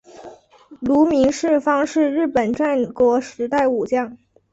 芦名氏方是日本战国时代武将。